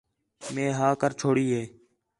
مئے ہا کر چھوڑی ہِے